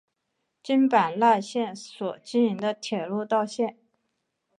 京阪奈线所经营的铁道路线。